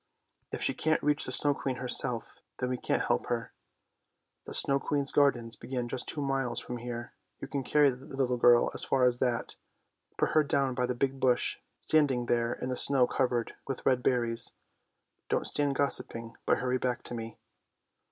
If she can't reach the Snow Queen herself, then we can't help her. The Snow Queen's gardens begin just two miles from here; you can carry the little girl as far as that. Put her down by the big bush standing there in the snow covered with red berries. Don't stand gossiping, but hurry back to me!